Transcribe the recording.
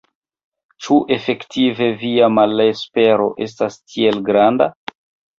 Ĉu efektive via malespero estas tiel granda?